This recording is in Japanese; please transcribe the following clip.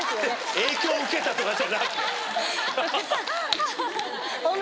影響を受けたとかじゃなくて。